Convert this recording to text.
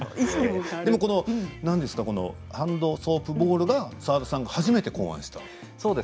でも何ですかハンドソープボールは澤田さんが初めて考案したと。